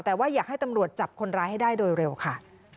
แต่ว่าอยากให้ตำรวจจับคนร้ายให้ได้โดยเร็วค่ะ